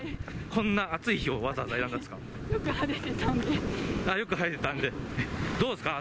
こんな暑い日をわざわざ選んだんですか。